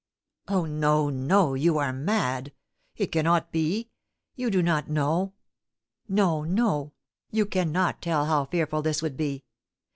"Oh, no, no; you are mad! It cannot be! You do not know! No, no; you cannot tell how fearful this would be!